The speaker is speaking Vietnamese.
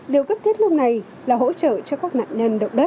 điều cấp thiết lúc này là hỗ trợ cho các nạn nhân động đất